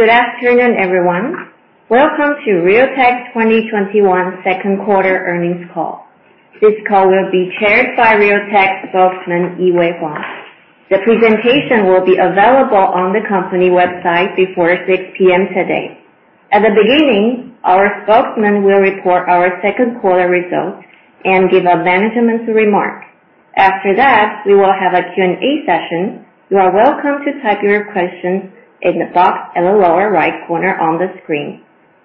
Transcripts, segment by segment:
Good afternoon, everyone. Welcome to Realtek's 2021 second quarter earnings call. This call will be chaired by Realtek's spokesman, Yee-Wei Huang. The presentation will be available on the company website before 6:00 P.M. today. At the beginning, our spokesman will report our second quarter results and give a management remark. After that, we will have a Q&A session. You are welcome to type your questions in the box at the lower right corner on the screen.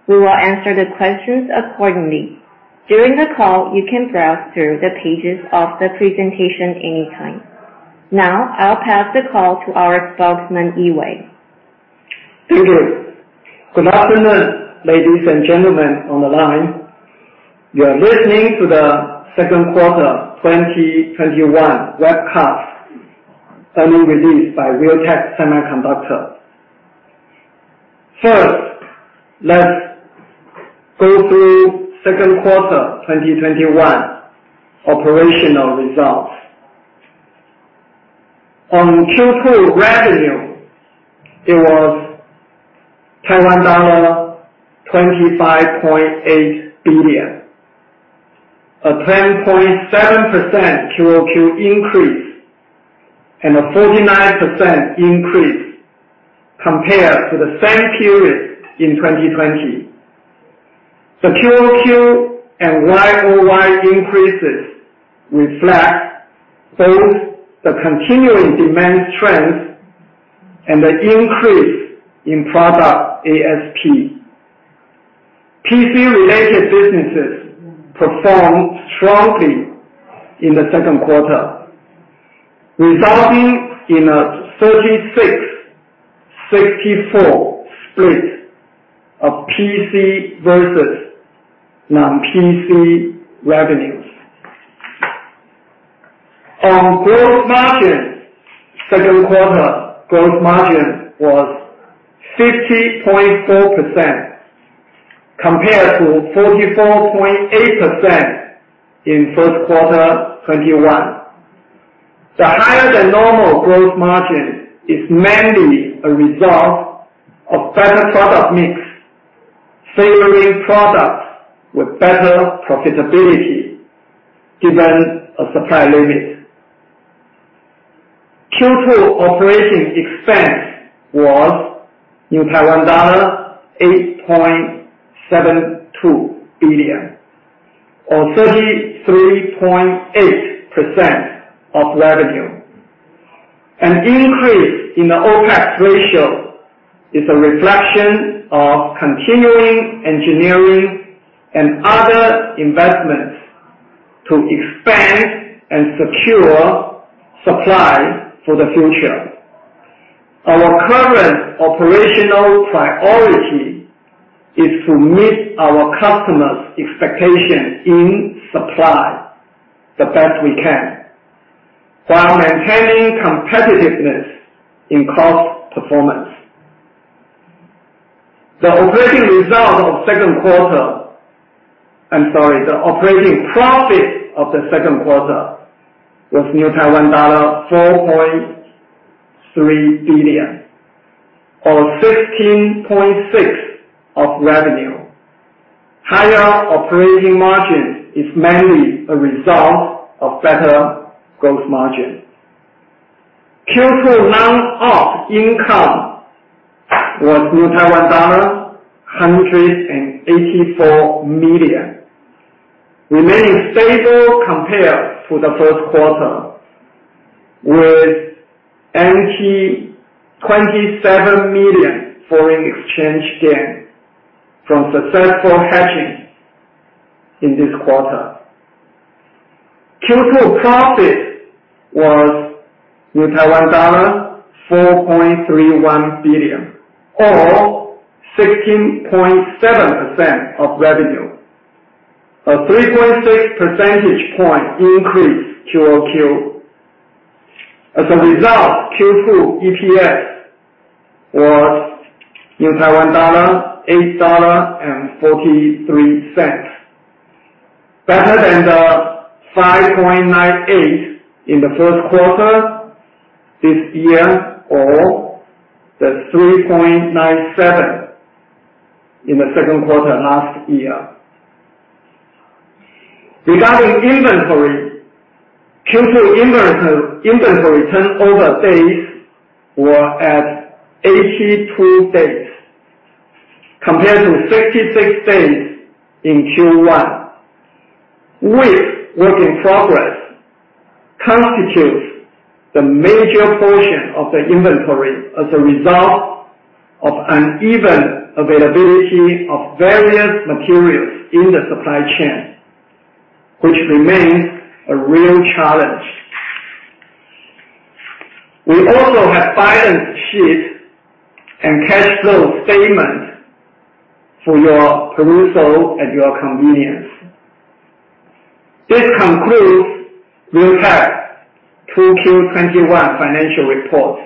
We will answer the questions accordingly. During the call, you can browse through the pages of the presentation anytime. Now, I'll pass the call to our Spokesman, Yee-Wei. Thank you. Good afternoon, ladies and gentlemen on the line. You are listening to the second quarter of 2021 webcast earnings release by Realtek Semiconductor. First, let's go through second quarter 2021 operational results. On Q2 revenue, it was Taiwan dollar 25.8 billion, a 10.7% QoQ increase and a 49% increase compared to the same period in 2020. The QoQ and YoY increases reflect both the continuing demand strength and the increase in product ASP. PC-related businesses performed strongly in the second quarter, resulting in a 36/64 split of PC versus non-PC revenues. On gross margin, second quarter gross margin was 50.4% compared to 44.8% in first quarter 2021. The higher than normal gross margin is mainly a result of better product mix, favoring products with better profitability given a supply limit. Q2 operating expense was TWD 8.72 billion or 33.8% of revenue. An increase in the OpEx ratio is a reflection of continuing engineering and other investments to expand and secure supply for the future. Our current operational priority is to meet our customers' expectations in supply the best we can while maintaining competitiveness in cost performance. The operating profit of the second quarter was Taiwan dollar 4.3 billion or 15.6% of revenue. Higher operating margin is mainly a result of better gross margin. Q2 non-OP income was Taiwan dollar 184 million, remaining stable compared to the first quarter, with 27 million foreign exchange gain from successful hedging in this quarter. Q2 profit was TWD 4.31 billion or 16.7% of revenue, a 3.6 percentage point increase QoQ. As a result, Q2 EPS was 8.43 dollar, better than the 5.98 in the first quarter this year or the 3.97 in the second quarter last year. Regarding inventory, Q2 inventory turn order days were at 82 days compared to 66 days in Q1, with work in progress constitutes the major portion of the inventory as a result of uneven availability of various materials in the supply chain, which remains a real challenge. We also have balance sheet and cash flow statement for your perusal at your convenience. This concludes Realtek's 2Q 2021 financial report.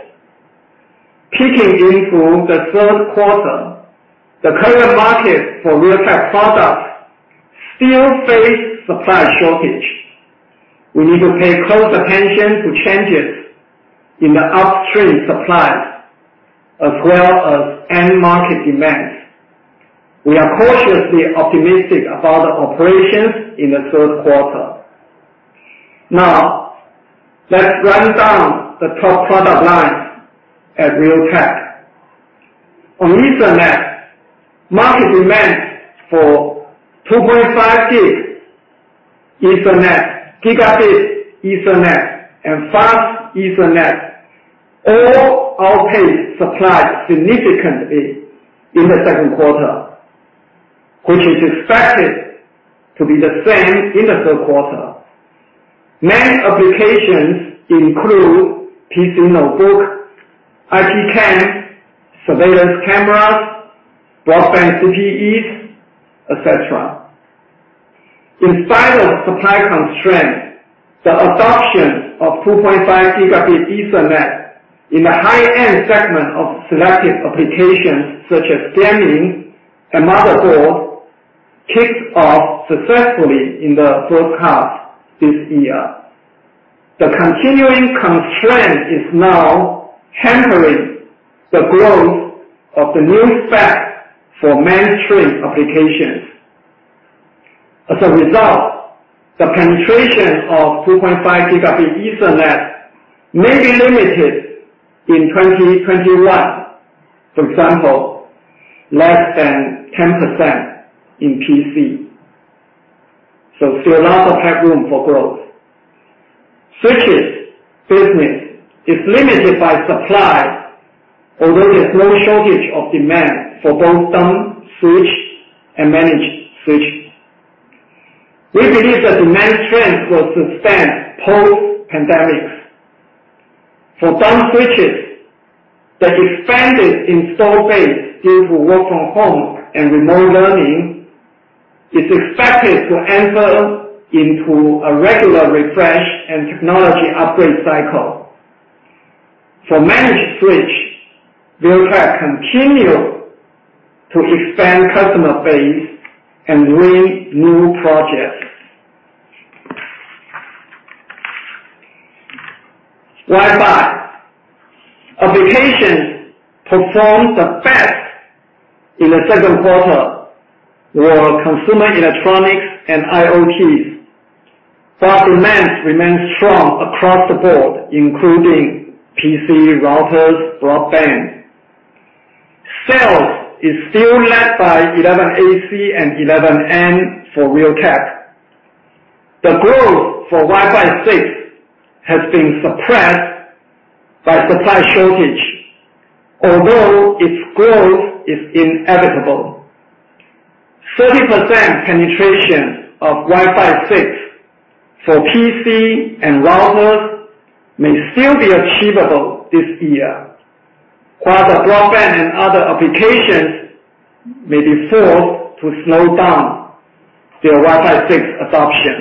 Peeking into the third quarter, the current market for Realtek products still face supply shortage. We need to pay close attention to changes in the upstream supply, as well as end market demands. We are cautiously optimistic about the operations in the third quarter. Let's run down the top product lines at Realtek. On Ethernet, market demand for 2.5 Gb Ethernet, Gigabit Ethernet, and Fast Ethernet, all outpaced supply significantly in the second quarter, which is expected to be the same in the third quarter. Main applications include PC notebook, IP cam, surveillance cameras, broadband CPEs, et cetera. In spite of supply constraints, the adoption of 2.5 Gb Ethernet in the high-end segment of selective applications such as gaming and motherboard, kicked off successfully in the first half this year. The continuing constraint is now hampering the growth of the new spec for mainstream applications. As a result, the penetration of 2.5 Gb Ethernet may be limited in 2021. For example, less than 10% in PC. Still lots of headroom for growth. Switches business is limited by supply, although there's no shortage of demand for both dumb switch and managed switches. We believe the demand strength will sustain post-pandemic. For dumb switches, the expanded install base due to work from home and remote learning, is expected to enter into a regular refresh and technology upgrade cycle. For managed switch, Realtek continue to expand customer base and win new projects. Wi-Fi. Applications performed the best in the second quarter were consumer electronics and IoT. Both demands remains strong across the board, including PC routers, broadband. Sales is still led by 11AC and 11N for Realtek. The growth for Wi-Fi 6 has been suppressed by supply shortage, although its growth is inevitable. 30% penetration of Wi-Fi 6 for PC and routers may still be achievable this year, while the broadband and other applications may be forced to slow down their Wi-Fi 6 adoption.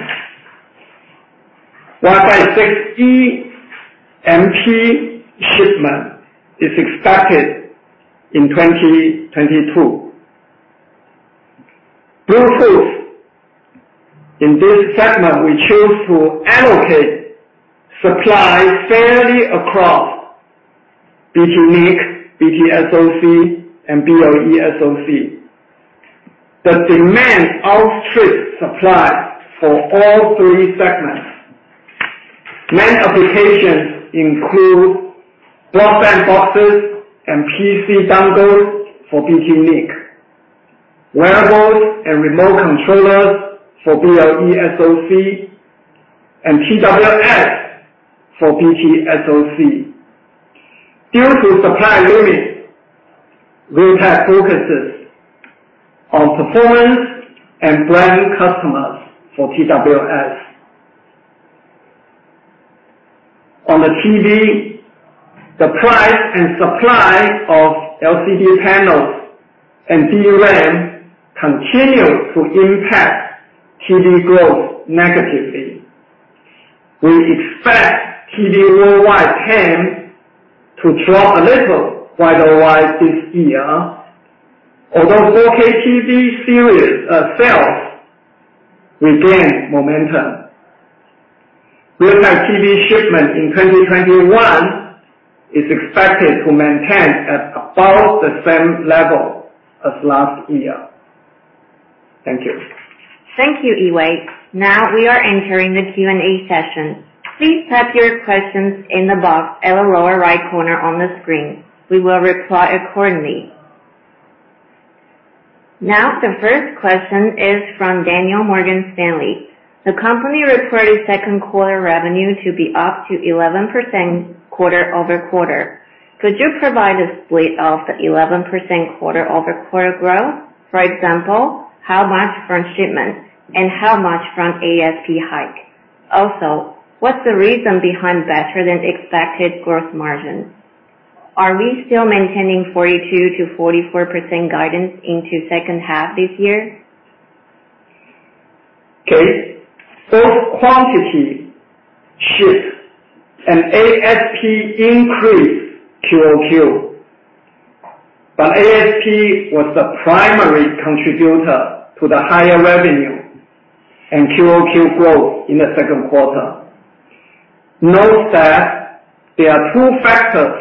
Wi-Fi 6E MP shipment is expected in 2022. Bluetooth. In this segment, we choose to allocate supply fairly across BT NIC, BT SoC, and BLE SoC. The demand outstrips supply for all three segments. Main applications include broadband boxes and PC dongles for BT NIC, wearables and remote controllers for BLE SoC, and TWS for BT SoC. Due to supply limits, Realtek focuses on performance and brand customers for TWS. On the TV, the price and supply of LCD panels and DRAM continue to impact TV growth negatively. We expect TV worldwide TAM to drop a little YoY this year, although 4K TV sales regain momentum. Realtek TV shipment in 2021 is expected to maintain at about the same level as last year. Thank you. Thank you, Yee-Wei. We are entering the Q&A session. Please type your questions in the box at the lower right corner on the screen. We will reply accordingly. The first question is from Daniel, Morgan Stanley. The company reported second quarter revenue to be up to 11% quarter-over-quarter. Could you provide a split of the 11% quarter-over-quarter growth? For example, how much from shipment and how much from ASP hike? Also, what's the reason behind better than expected gross margin? Are we still maintaining 42%-44% guidance into second half this year? Okay. Both quantity shipped and ASP increased QoQ. ASP was the primary contributor to the higher revenue and QoQ growth in the second quarter. Note that there are two factors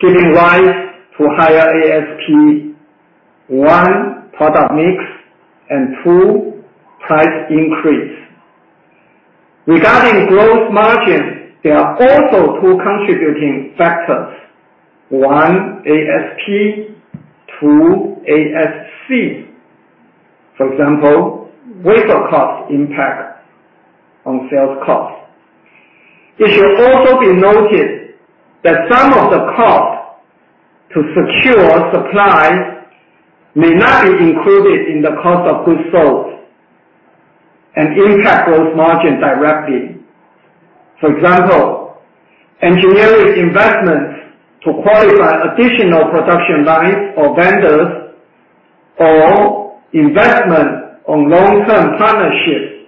giving rise to higher ASP. One, product mix, and two, price increase. Regarding gross margins, there are also two contributing factors. One, ASP, two, ASC. For example, wafer costs impact on sales costs. It should also be noted that some of the cost to secure supply may not be included in the cost of goods sold and impact gross margin directly. For example, engineering investments to qualify additional production lines or vendors, or investment on long-term partnerships.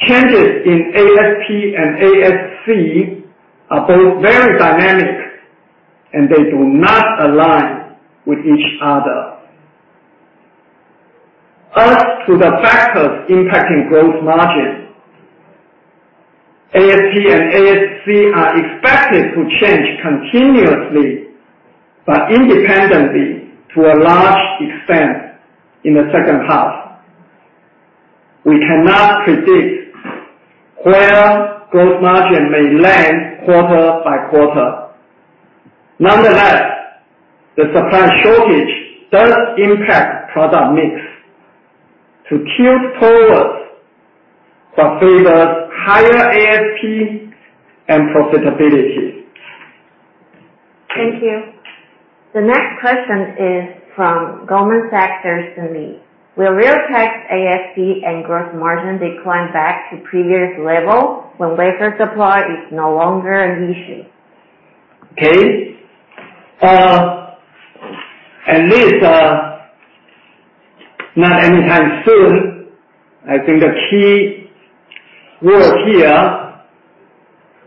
Changes in ASP and ASC are both very dynamic, and they do not align with each other. As to the factors impacting gross margin, ASP and ASC are expected to change continuously but independently, to a large extent in the second half. We cannot predict where growth margin may land quarter by quarter. Nonetheless, the supply shortage does impact product mix to tilt towards what favors higher ASP and profitability. Thank you. The next question is from Goldman Sachs. Will Realtek's ASP and gross margin decline back to previous level when wafer supply is no longer an issue? Okay. At least not anytime soon. I think the key word here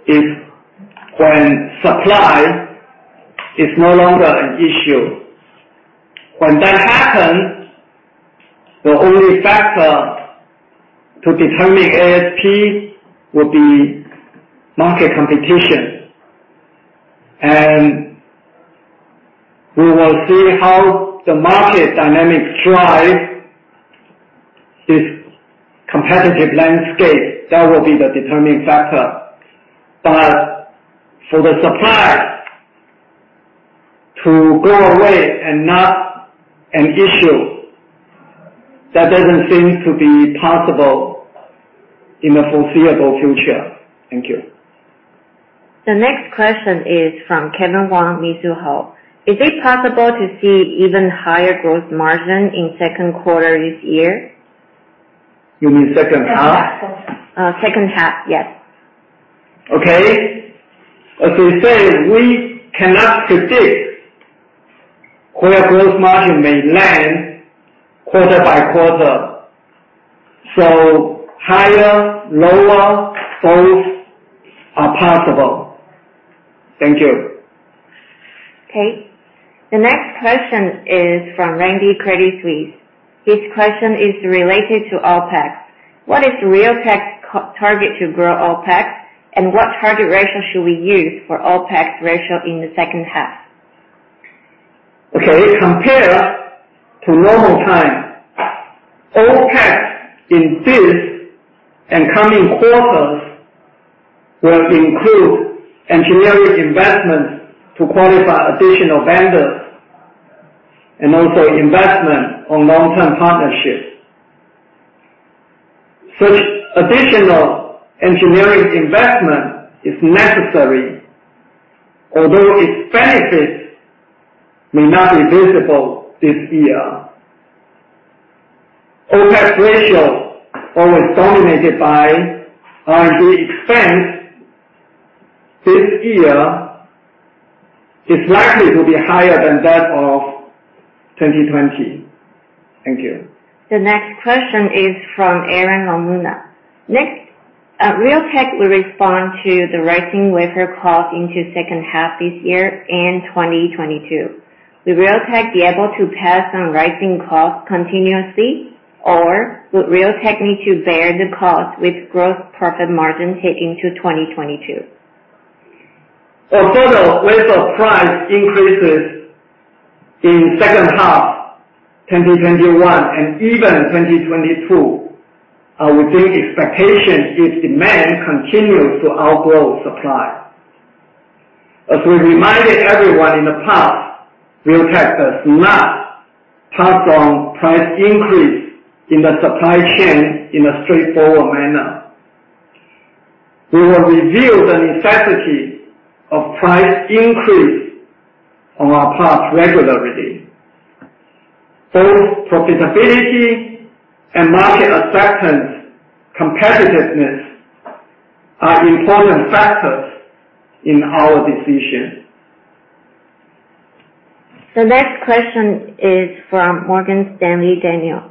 is when supply is no longer an issue. When that happens, the only factor to determine ASP will be market competition. We will see how the market dynamics drive this competitive landscape. That will be the determining factor. For the supply to go away and not an issue, that doesn't seem to be possible in the foreseeable future. Thank you. The next question is from Kevin Wang, Mizuho. Is it possible to see even higher gross margin in second quarter this year? You mean second half? Second half, yes. Okay. As we said, we cannot predict where gross margin may land quarter by quarter, so higher, lower, both are possible. Thank you. Okay. The next question is from Randy, Credit Suisse. This question is related to OpEx. What is Realtek's target to grow OpEx, and what target ratio should we use for OpEx ratio in the second half? Okay. Compared to normal times, OpEx in this and coming quarters will include engineering investments to qualify additional vendors, and also investment on long-term partnerships. Such additional engineering investment is necessary, although its benefits may not be visible this year. OpEx ratio always dominated by R&D expense. This year is likely to be higher than that of 2020. Thank you. The next question is from Aaron Lamuna. Realtek will respond to the rising wafer cost into second half this year and 2022. Will Realtek be able to pass on rising costs continuously? Would Realtek need to bear the cost with gross profit margin hit into 2022? Although wafer price increases in second half 2021 and even 2022 are within expectation if demand continues to outgrow supply. As we reminded everyone in the past, Realtek does not pass on price increase in the supply chain in a straightforward manner. We will review the necessity of price increase on our part regularly. Both profitability and market acceptance competitiveness are important factors in our decision. The next question is from Morgan Stanley, Daniel.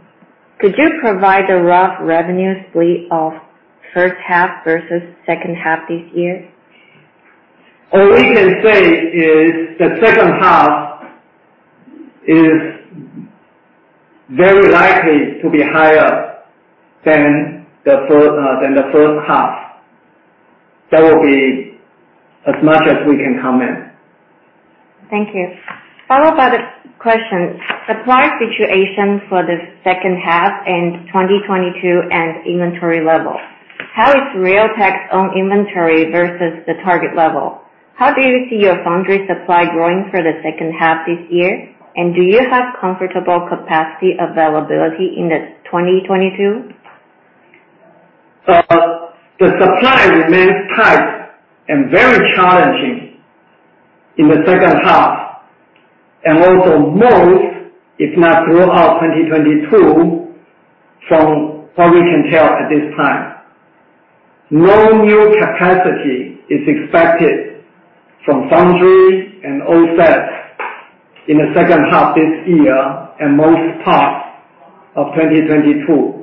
Could you provide a rough revenue split of first half versus second half this year? All we can say is the second half is very likely to be higher than the first half. That will be as much as we can comment. Thank you. Followed by the question, supply situation for the second half in 2022 and inventory level. How is Realtek's own inventory versus the target level? How do you see your foundry supply growing for the second half this year? Do you have comfortable capacity availability in 2022? The supply remains tight and very challenging in the second half. Most, if not throughout 2022, from what we can tell at this time. No new capacity is expected from foundry and OSATs in the second half this year and most parts of 2022.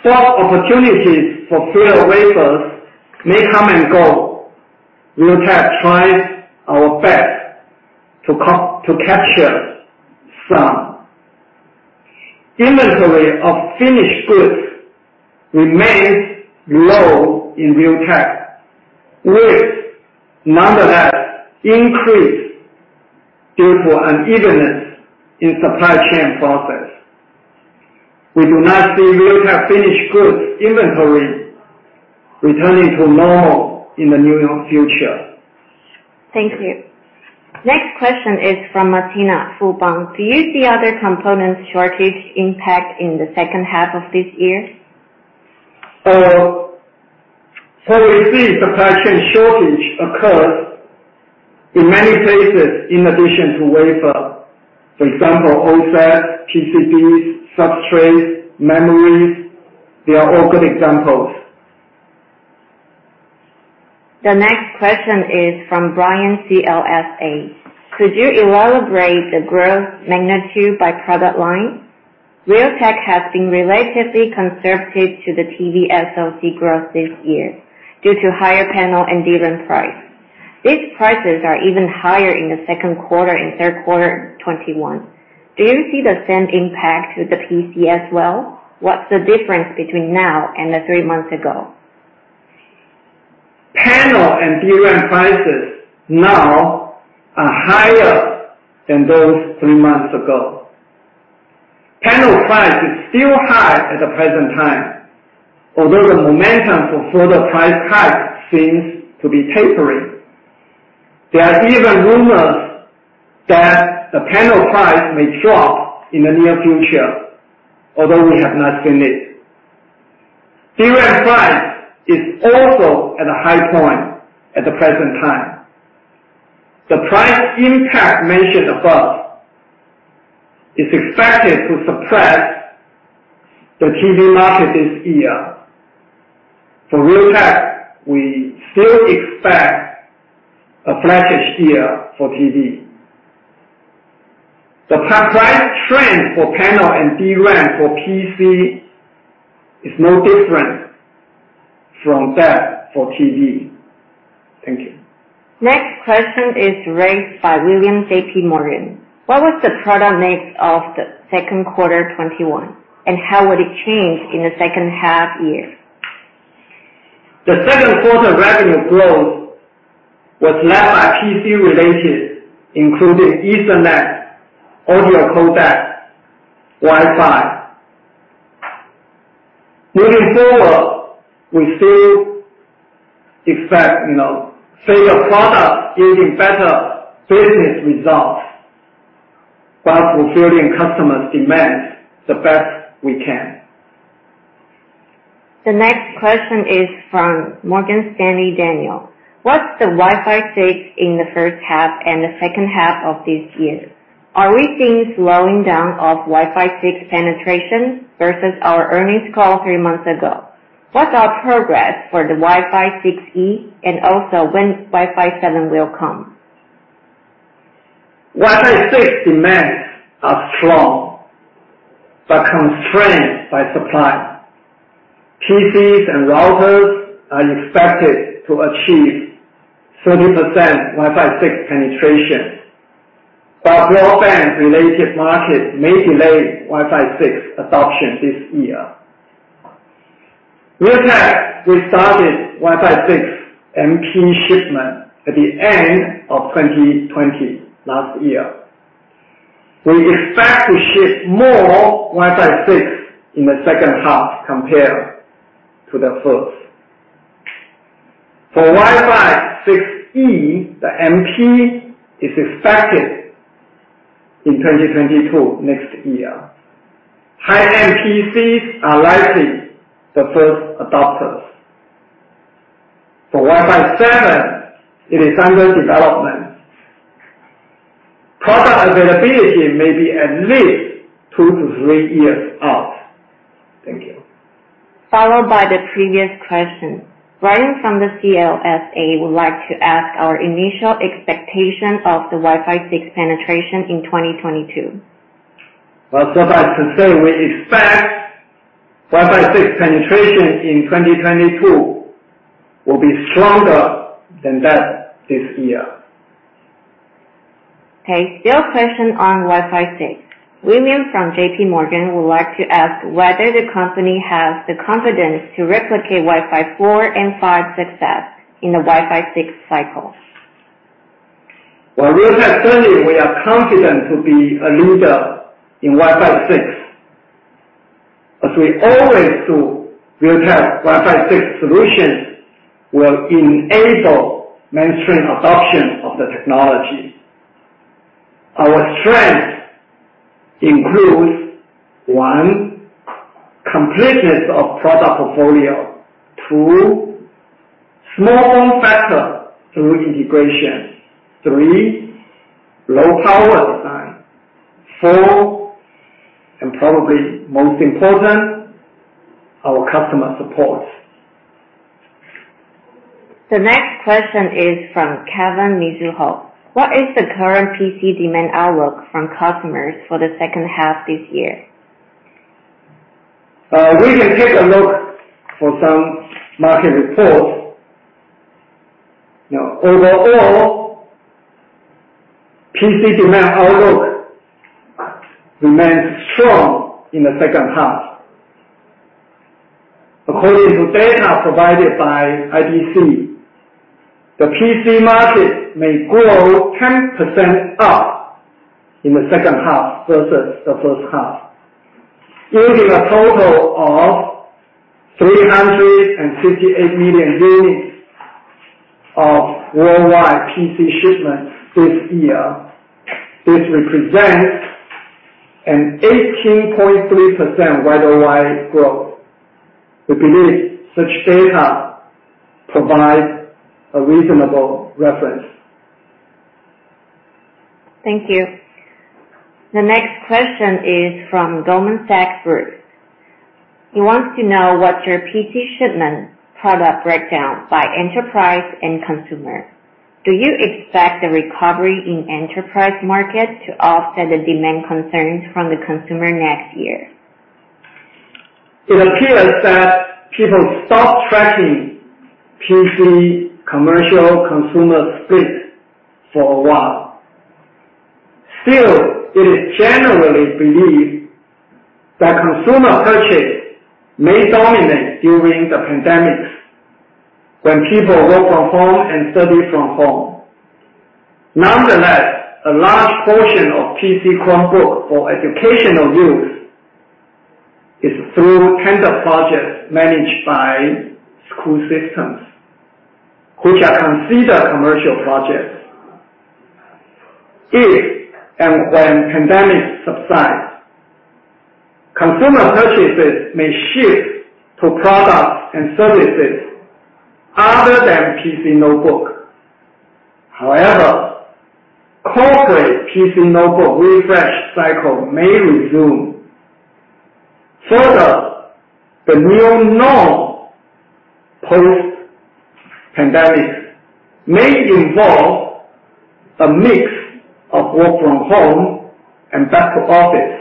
Spot opportunities for free wafers may come and go. Realtek tries our best to capture some. Inventory of finished goods remains low in Realtek, with nonetheless increase due to unevenness in supply chain process. We do not see Realtek finished goods inventory returning to normal in the near future. Thank you. Next question is from Martina, Fubon. Do you see other components shortage impact in the second half of this year? We see supply chain shortage occurs in many places in addition to wafer. For example, OSATs, PCBs, substrates, memories. They are all good examples. The next question is from Brian, CLSA. Could you elaborate the growth magnitude by product line? Realtek has been relatively conservative to the TV SoC growth this year due to higher panel and DRAM price. These prices are even higher in the second quarter and third quarter in 2021. Do you see the same impact with the PC as well? What's the difference between now and the three months ago? Panel and DRAM prices now are higher than those three months ago. Panel price is still high at the present time, although the momentum for further price hike seems to be tapering. There are even rumors that the panel price may drop in the near future, although we have not seen it. DRAM price is also at a high point at the present time. The price impact mentioned above is expected to suppress the TV market this year. For Realtek, we still expect a flattish year for TV. The price trend for panel and DRAM for PC is no different from that for TV. Thank you. Next question is raised by William, JPMorgan. What was the product mix of the second quarter 2021, and how would it change in the second half year? The second quarter revenue growth was led by PC related, including Ethernet, audio codec, Wi-Fi. Moving forward, we still expect favorite product yielding better business results, while fulfilling customers' demands the best we can. The next question is from Morgan Stanley, Daniel. What's the Wi-Fi 6 in the first half and the second half of this year? Are we seeing slowing down of Wi-Fi 6 penetration versus our earnings call three months ago? What's our progress for the Wi-Fi 6E, and also when Wi-Fi 7 will come? Wi-Fi 6 demands are strong, constrained by supply. PCs and routers are expected to achieve 30% Wi-Fi 6 penetration, broadband-related market may delay Wi-Fi 6 adoption this year. Realtek restarted Wi-Fi 6 MP shipment at the end of 2020, last year. We expect to ship more Wi-Fi 6 in the second half compared to the first. For Wi-Fi 6E, the MP is expected in 2022, next year. High-end PCs are likely the first adopters. For Wi-Fi 7, it is under development. Product availability may be at least two to three years out. Thank you. Followed by the previous question, Ryan from the CLSA would like to ask our initial expectation of the Wi-Fi 6 penetration in 2022. Well, suffice to say, we expect Wi-Fi 6 penetration in 2022 will be stronger than that this year. Okay. Still a question on Wi-Fi 6. William from JPMorgan would like to ask whether the company has the confidence to replicate Wi-Fi 4 and 5 success in the Wi-Fi 6 cycle. Realtek, certainly, we are confident to be a leader in Wi-Fi 6. As we always do, Realtek Wi-Fi 6 solutions will enable mainstream adoption of the technology. Our strength includes, one, completeness of product portfolio. two, small form factor through integration. Three, low power design. Four, and probably most important, our customer support. The next question is from Kevin, Mizuho. What is the current PC demand outlook from customers for the second half this year? We can take a look for some market reports. Now, overall, PC demand outlook remains strong in the second half. According to data provided by IDC, the PC market may grow 10% up in the second half versus the first half, yielding a total of 368 million units of worldwide PC shipments this year. This represents an 18.3% year-over-year growth. We believe such data provides a reasonable reference. Thank you. The next question is from Goldman Sachs Group. He wants to know what your PC shipment product breakdown by enterprise and consumer. Do you expect the recovery in enterprise market to offset the demand concerns from the consumer next year? It appears that people stopped tracking PC commercial consumer split for a while. Still, it is generally believed that consumer purchase may dominate during the pandemic, when people work from home and study from home. Nonetheless, a large portion of PC Chromebook for educational use is through tender projects managed by school systems, which are considered commercial projects. If and when pandemic subsides, consumer purchases may shift to products and services other than PC notebook. However, corporate PC notebook refresh cycle may resume. Further, the new norm post-pandemic may involve a mix of work from home and back to office.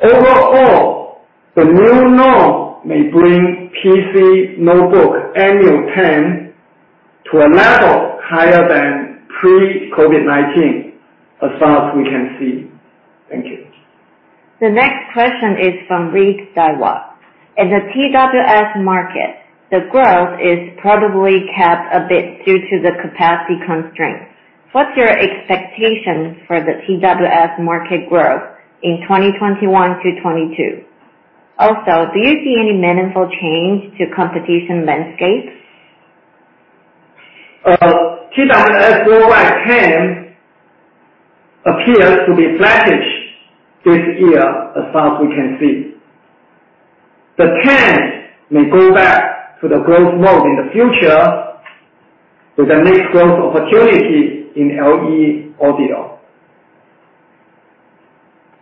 Overall, the new norm may bring PC notebook annual TAM to a level higher than pre-COVID-19, as far as we can see. Thank you. The next question is from Rick, Daiwa. In the TWS market, the growth is probably capped a bit due to the capacity constraints. What's your expectation for the TWS market growth in 2021 to 2022? Also, do you see any meaningful change to competition landscapes? TWS year-over-year TAM appears to be flattish this year, as far as we can see. The TAM may go back to the growth mode in the future with the next growth opportunity in LE Audio.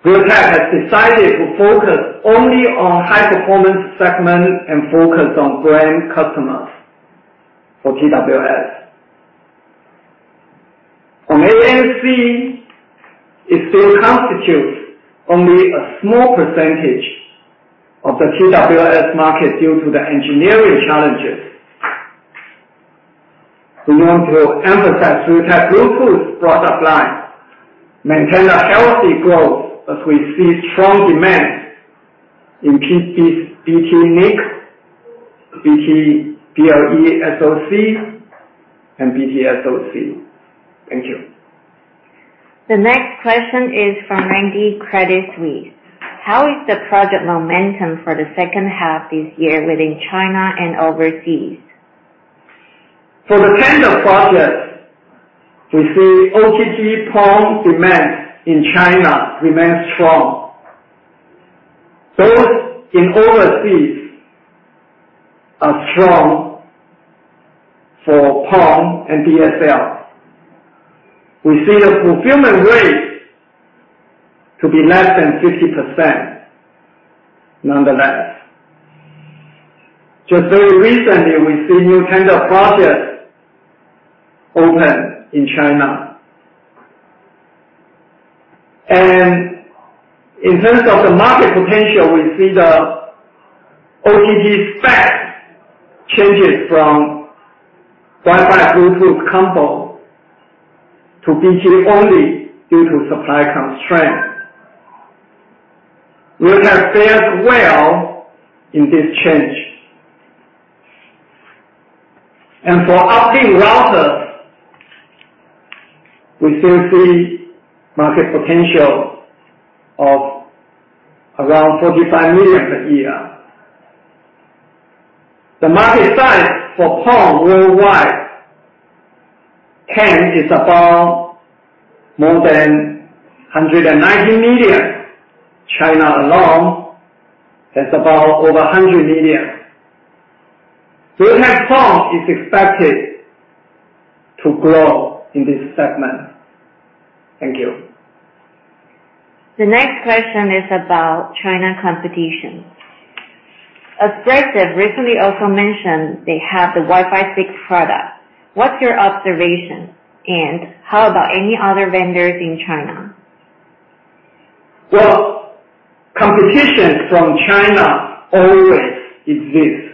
Realtek has decided to focus only on high performance segments and focus on brand customers for TWS. On ANC, it still constitutes only a small percentage of the TWS market due to the engineering challenges. We want to emphasize Realtek's robust product line, maintain a healthy growth as we see strong demand in BT/NIC, BT/BLE SoC, and BT SoC. Thank you. The next question is from Andy, Credit Suisse. How is the project momentum for the second half this year within China and overseas? For the tender projects, we see OCGPON demand in China remain strong, both in overseas, strong for PON and DSL. We see the fulfillment rate to be less than 50%, nonetheless. Just very recently, we see new tender projects open in China. In terms of the market potential, we see the OCG spec changes from Wi-Fi, Bluetooth combo to BT only due to supply constraints. Realtek fares well in this change. For upstream routers, we still see market potential of around TWD 45 million per year. The market size for PON worldwide and is about more than 190 million. China alone, that's about over 100 million. Realtek PON is expected to grow in this segment. Thank you. The next question is about China competition. Espressif recently also mentioned they have the Wi-Fi 6 product. What's your observation, and how about any other vendors in China? Competition from China always exists.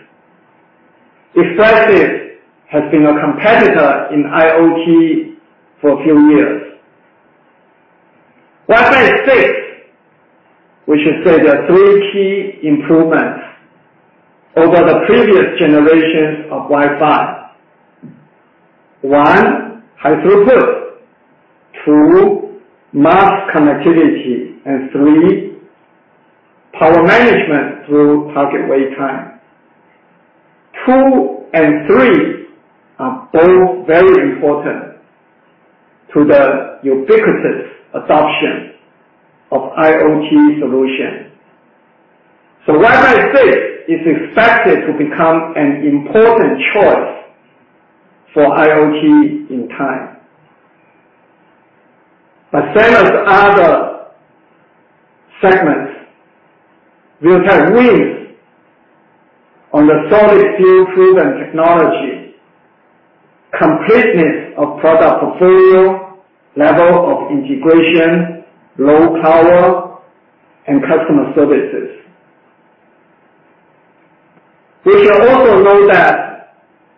Espressif has been a competitor in IoT for a few years. Wi-Fi 6, we should say, there are 3 key improvements over the previous generations of Wi-Fi. One, high throughput. Two, mass connectivity, and three, power management through Target Wake Time. Two and three are both very important to the ubiquitous adoption of IoT solution. Wi-Fi 6 is expected to become an important choice for IoT in time. Same as other segments, Realtek wins on the solid field-proven technology, completeness of product portfolio, level of integration, low power, and customer services. We should also note that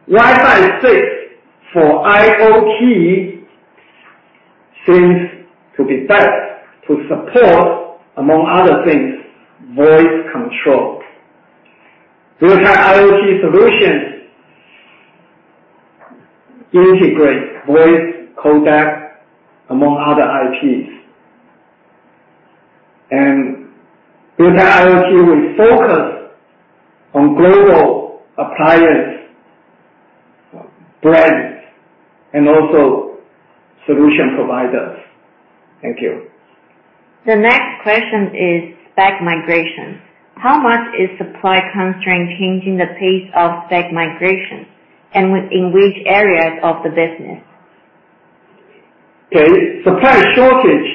Wi-Fi 6 for IoT seems to be best to support, among other things, voice control. Realtek IoT solutions integrate voice codec, among other IPs. Realtek IoT will focus on global appliance brands and also solution providers. Thank you. The next question is spec migration. How much is supply constraint changing the pace of spec migration, and in which areas of the business? Okay. Supply shortage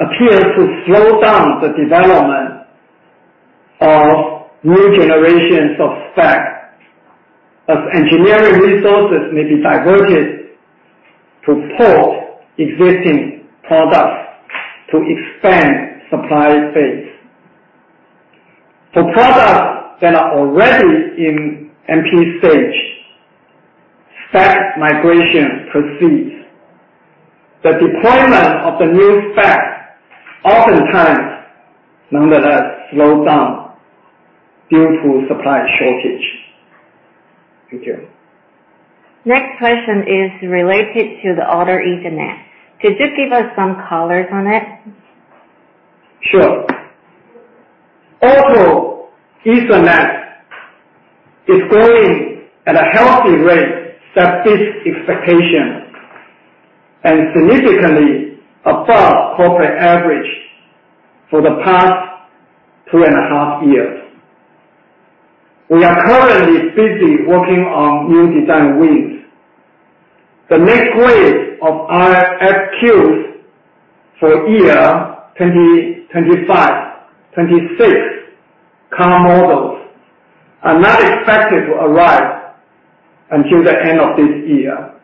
appears to slow down the development of new generations of spec, as engineering resources may be diverted to port existing products to expand supply base. For products that are already in MP stage, spec migration proceeds. The deployment of the new spec oftentimes, nonetheless, slows down due to supply shortage. Thank you. Next question is related to the auto Ethernet. Could you give us some colors on it? Sure. Auto Ethernet is growing at a healthy rate that beats expectation and significantly above corporate average for the past three and a half years. We are currently busy working on new design wins. The next wave of RFQ for year 2025, 2026 car models are not expected to arrive until the end of this year.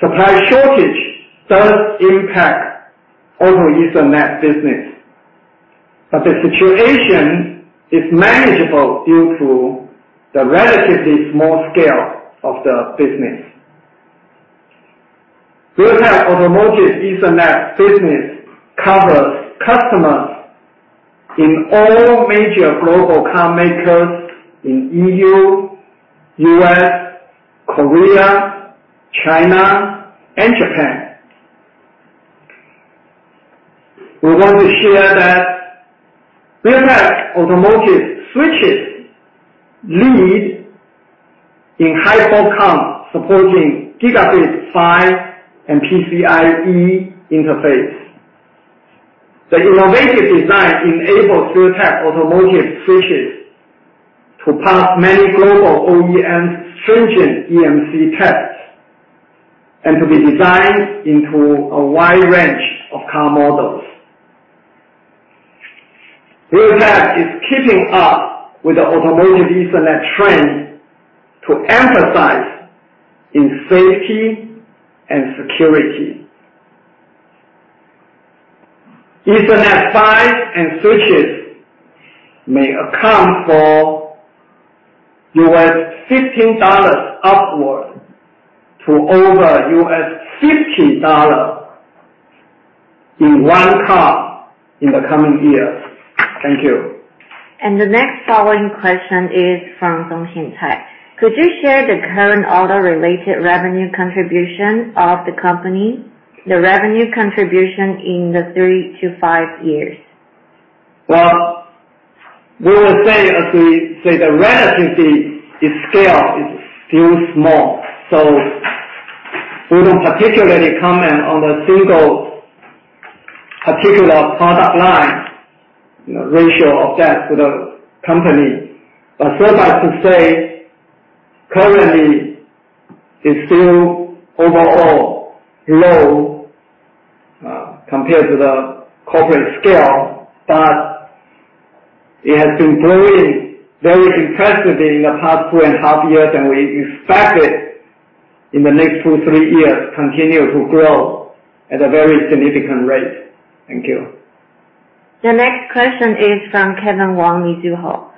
Supply shortage does impact auto Ethernet business, but the situation is manageable due to the relatively small scale of the business. Realtek automotive Ethernet business covers customers in all major global car makers in EU, U.S., Korea, China, and Japan. We want to share that Realtek automotive switches lead in high port count supporting Gigabit PHY and PCIe interface. The innovative design enables Realtek automotive switches to pass many global OEM stringent EMC tests and to be designed into a wide range of car models. Realtek is keeping up with the automotive Ethernet trend to emphasize in safety and security. Ethernet PHY and switches may account for $15 upward to over $50 in 1 car in the coming years. Thank you. The next following question is from Zhong Xin Tai. Could you share the current auto-related revenue contribution of the company, the revenue contribution in the three to five years? Well, we will say, as we say, the relative scale is still small. We don't particularly comment on the single particular product line, ratio of that to the company. Suffice to say, currently, it's still overall low, compared to the corporate scale, but it has been growing very impressively in the past two and a half years, and we expect it, in the next two, three years, continue to grow at a very significant rate. Thank you. The next question is from Kevin Wang, Mizuho.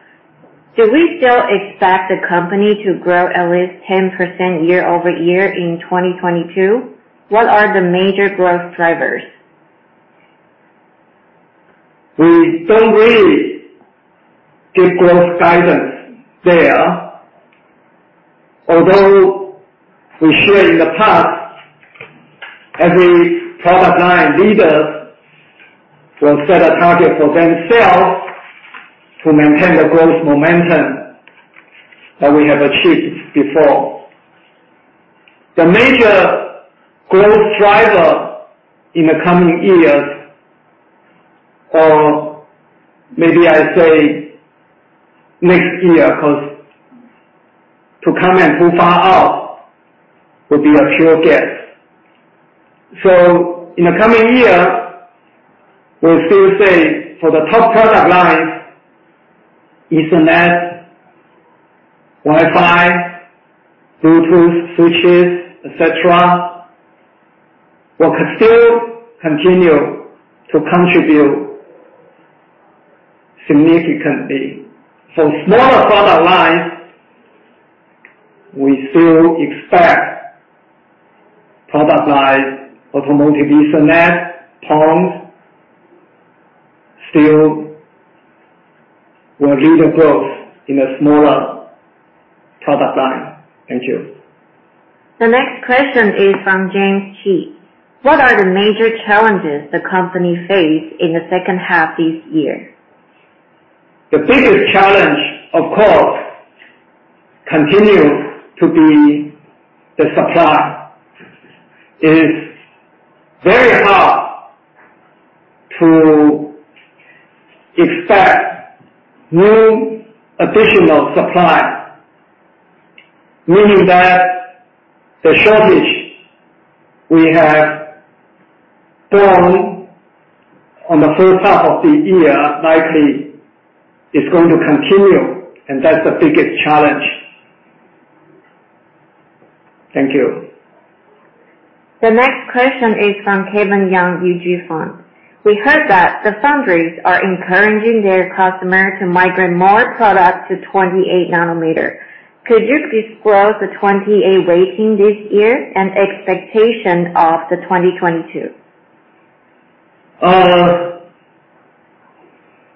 Do we still expect the company to grow at least 10% year-over-year in 2022? What are the major growth drivers? We don't really give growth guidance there. Although we share in the past, every product line leader will set a target for themselves to maintain the growth momentum that we have achieved before. The major growth driver in the coming years, or maybe I say next year, because to comment too far out would be a pure guess. In the coming year, we still say for the top product lines, Ethernet, Wi-Fi, Bluetooth, switches, et cetera, will still continue to contribute significantly. For smaller product lines, we still expect product lines, automotive Ethernet, PON, still will lead the growth in the smaller product line. Thank you. The next question is from James Chi. What are the major challenges the company face in the second half this year? The biggest challenge, of course, continue to be the supply. It's very hard to expect new additional supply, meaning that the shortage we have borne on the first half of the year likely is going to continue, and that's the biggest challenge. Thank you. The next question is from Kevin Yang, UG Fund. We heard that the foundries are encouraging their customer to migrate more products to 28 nm. Could you disclose the 28 nm waiting this year and expectation of the 2022?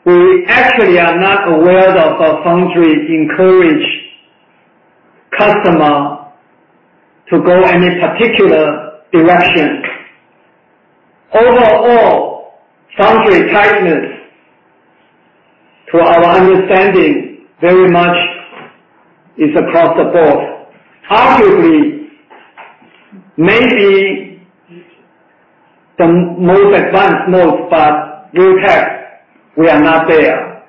We actually are not aware of a foundry encourage customer to go any particular direction. Overall, foundry tightness, to our understanding, very much is across the board. Arguably, maybe the most advanced node, but Realtek, we are not there.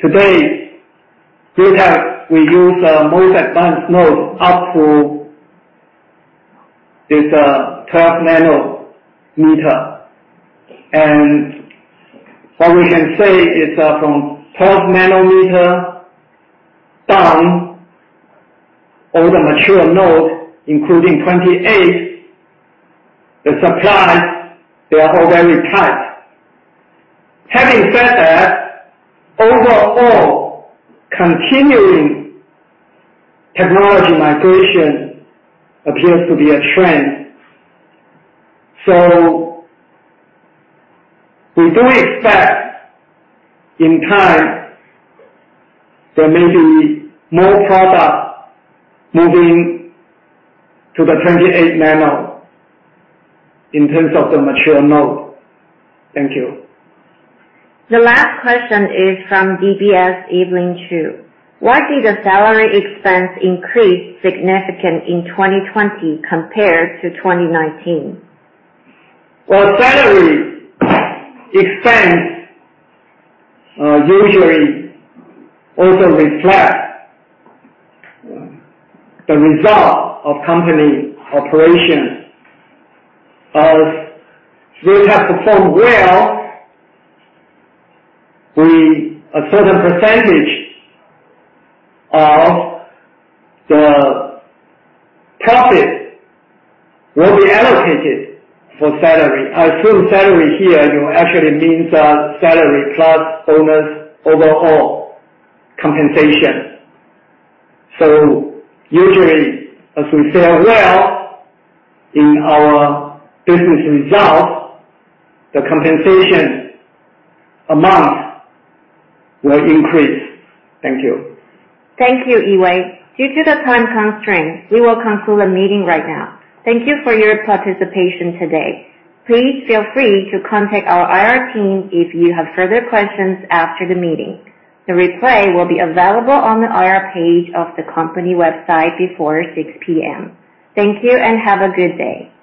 Today, Realtek, we use the most advanced node up to is the 12 nm. What we can say is from 12 nm down, all the mature node, including 28 nm, the supplies, they are all very tight. Having said that, overall, continuing technology migration appears to be a trend. We do expect in time, there may be more products moving to the 28 nm in terms of the mature node. Thank you. The last question is from DBS, Evelyn Chu. Why did the salary expense increase significant in 2020 compared to 2019? Well, salary expense usually also reflects the result of company operations. As Realtek performed well, a certain percentage of the profit will be allocated for salary. I assume salary here actually means salary plus bonus, overall compensation. Usually, as we say, well, in our business results, the compensation amount will increase. Thank you. Thank you, Yee-Wei. Due to the time constraint, we will conclude the meeting right now. Thank you for your participation today. Please feel free to contact our IR team if you have further questions after the meeting. The replay will be available on the IR page of the company website before 6:00 P.M. Thank you, and have a good day.